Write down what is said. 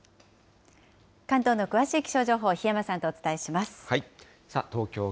関東の詳しい気象情報、檜山さんとお伝えします。